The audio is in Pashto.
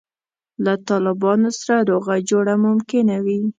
له طالبانو سره روغه جوړه ممکنه وي.